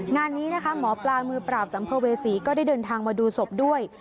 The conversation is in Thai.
งานนี้นะคะหมอปลามือปราบสัมภเวษีก็ได้เดินทางมาดูศพด้วย